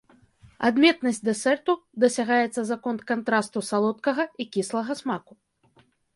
Адметнасць дэсерту дасягаецца за конт кантрасту салодкага і кіслага смаку.